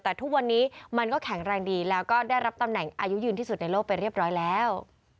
แต่ทุกวันนี้มันก็แข็งแรงดีแล้วก็ได้รับตำแหน่งอายุยืนที่สุดในโลกไปเรียบร้อยแล้ว